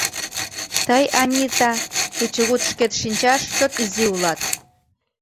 Тый, Анита, кечыгут шкет шинчаш чот изи улат.